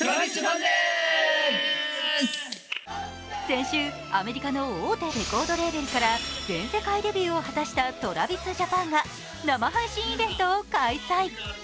先週アメリカの大手レコードレーベルから全世界デビューを果たしたＴｒａｖｉｓＪａｐａｎが生配信イベントを開催。